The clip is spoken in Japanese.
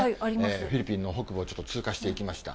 フィリピンの北部をちょっと通過していきました。